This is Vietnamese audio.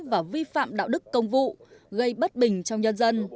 và vi phạm đạo đức công vụ gây bất bình trong nhân dân